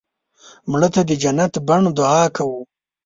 مړه ته د جنت بڼ دعا کوو